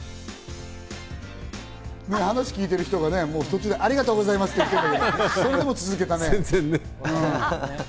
話、聞いてる人がね、途中で「ありがとうございます」って言ってるけど、それでも続けたね。